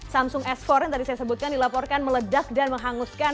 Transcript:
samsung s empat yang tadi saya sebutkan dilaporkan meledak dan menghanguskan